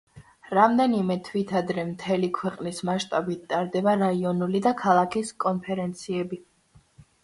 რამდენიმე თვით ადრე, მთელი ქვეყნის მასშტაბით ტარდება რაიონული და ქალაქის კონფერენციები.